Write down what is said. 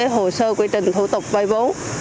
hồ sơ quy trình thủ tục vay vốn